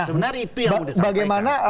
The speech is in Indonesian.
sebenarnya itu yang sudah disampaikan